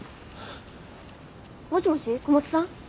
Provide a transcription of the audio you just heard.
もしもし小松さん？